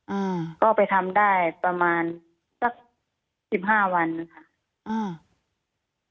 อืมก็ไปทำได้ประมาณสัก๑๕วันค่ะอืม